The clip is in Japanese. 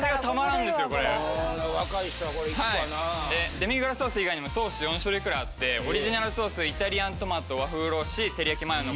デミグラスソース以外にもソース４種類くらいあってオリジナルソースイタリアントマト和風おろしてりやきマヨの。